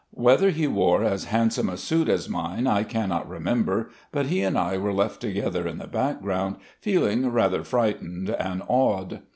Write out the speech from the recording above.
Whether he wore as handsome a suit as mine I cannot remember, but he and I were left together in the background, feeling rather frightened and awed.